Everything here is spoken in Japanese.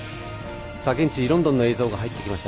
現地ロンドンの映像入ってきました。